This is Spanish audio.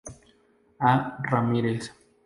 A. Ramírez.